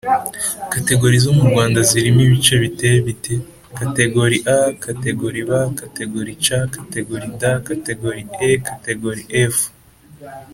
categori zo mu Rwanda zirimo ibice biteye bite? catA, catB, catC, catD, catE, catF